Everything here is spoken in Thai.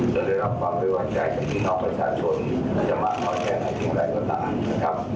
จะได้รับความเรียกหวังใจจากคุณนอกประชาชนจะมาคอยแพงในทีใดก็ตานะครับ